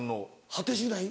「果てしない」？